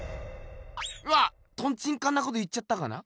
わっトンチンカンなこと言っちゃったかな。